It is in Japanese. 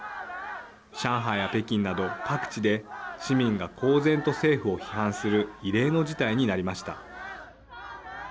上海や北京など各地で市民が公然と政府を批判する異例の事態になりました。